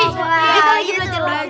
kita lagi belajar rapi